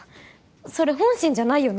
それ本心じゃないよね？